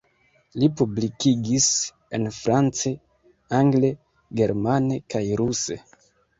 Li publikigis en france, angle, germane kaj ruse.